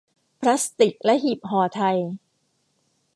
พลาสติค และหีบห่อไทย